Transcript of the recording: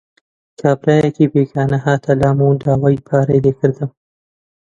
کابرایەکی بێگانە هاتە لام و داوای پارەی لێ کردم.